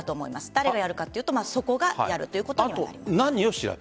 誰がやるかというとそこがやるということになります。